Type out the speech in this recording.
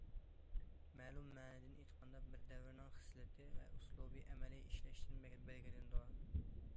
مەلۇم مەنىدىن ئېيتقاندا، بىر دەۋرنىڭ خىسلىتى ۋە ئۇسلۇبى ئەمەلىي ئىشلەشتىن بەلگىلىنىدۇ.